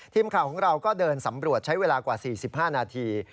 ทีมข่าวของเราก็เดินสำรวจใช้เวลากว่า๔๕นาที